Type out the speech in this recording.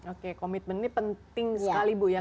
oke komitmen ini penting sekali bu ya